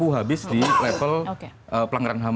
habis di level pelanggaran ham